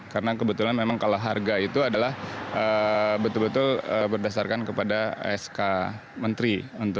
karena kebetulan memang kalau harga itu adalah betul betul berdasarkan kepada sk menteri